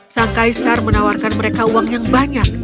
sang kaisar menawarkan mereka uang yang banyak